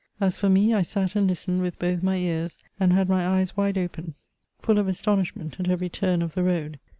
As for me, I sat and listened with both my ears, and had my eyes wide open, full of astonishment at every turn of the road.